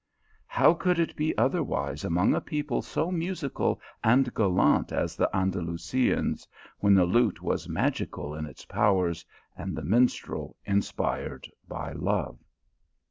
How could it be otherwise among a people so musical and gallant as the Andalusians, when the lute was magical in its powers, and the minstrel inspired by love.